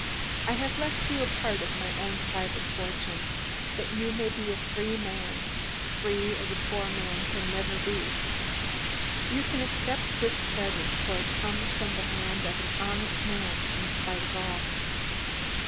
I have left you a part of my own private fortune, that you may be a free man, free as a poor man never can be. You can accept this present for it comes from the hand of an honest man in spite of all.